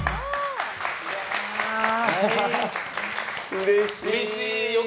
うれしい。